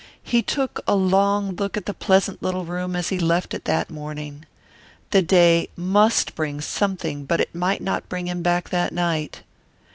He took a long look at the pleasant little room as he left it that morning. The day must bring something but it might not bring him back that night.